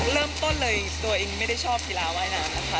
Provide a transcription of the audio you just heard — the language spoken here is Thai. เริ่มต้นเลยตัวเองไม่ได้ชอบกีฬาว่ายน้ำนะคะ